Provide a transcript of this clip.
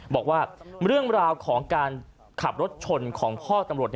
บอกว่าเรื่องราวของการขับรถชนของพ่อตำรวจ